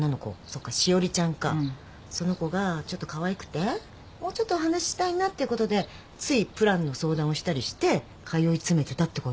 その子がちょっとかわいくてもうちょっとお話したいなっていうことでついプランの相談をしたりして通い詰めてたってこと？